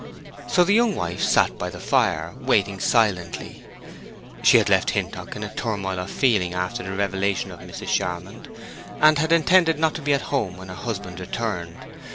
So the young wife sat by the fire, waiting silently. She had left Hintock in a turmoil of feeling after the revelation of Mrs. Charmond, and had intended not to be at home when her husband returned.